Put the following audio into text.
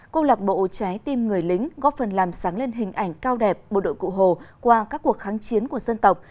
cô lạc bộ trái tim người lính góp phần làm sáng lên hình ảnh cao đẹp bộ đội cụ hồ qua các cuộc kháng chiến của dân tộc